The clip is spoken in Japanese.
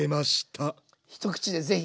一口で是非。